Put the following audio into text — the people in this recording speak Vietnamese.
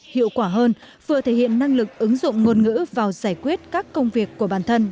hiệu quả hơn vừa thể hiện năng lực ứng dụng ngôn ngữ vào giải quyết các công việc của bản thân